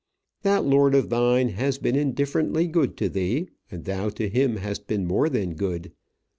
That lord of thine has been indifferently good to thee, and thou to him has been more than good.